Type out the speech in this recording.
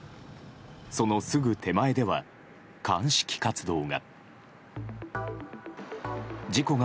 そのすぐ手前では、鑑識活動が。